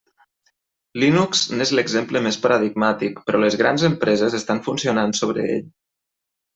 Linux n'és l'exemple més paradigmàtic, però les grans empreses estan funcionant sobre ell.